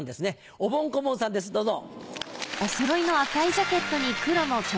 おぼん・こぼんさんですどうぞ。